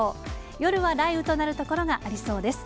夜は雷雨となる所がありそうです。